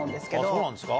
そうなんですか？